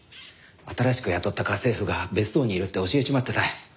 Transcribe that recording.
新しく雇った家政婦が別荘にいるって教えちまってた。